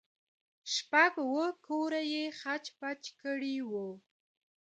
شپږ اوه کوره يې خچ پچ کړي وو.